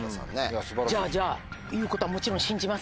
じゃあじゃあ言うことはもちろん。